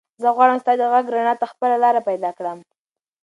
زه غواړم ستا د غږ رڼا ته خپله لاره پیدا کړم.